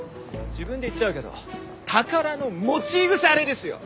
自分で言っちゃうけど宝の持ち腐れですよ！